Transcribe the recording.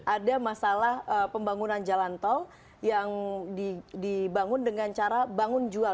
ada masalah pembangunan jalan tol yang dibangun dengan cara bangun jual